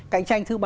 cạnh tranh thứ ba